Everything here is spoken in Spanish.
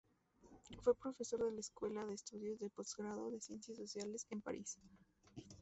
Fue profesor en la Escuela de Estudios de Postgrado de Ciencias Sociales en París.